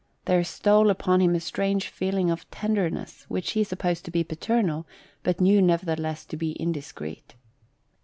There stole upon him a strange feeling of tender ness which he supposed to be paternal, but knew nevertheless to be indiscreet.